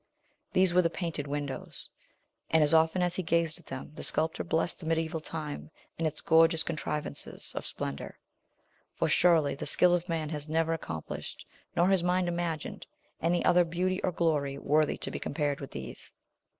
These were the painted windows; and as often as he gazed at them the sculptor blessed the medieval time, and its gorgeous contrivances of splendor; for surely the skill of man has never accomplished, nor his mind imagined, any other beauty or glory worthy to be compared with these.